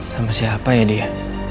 sama siapa ya dia